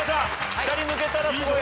２人抜けたらすごい。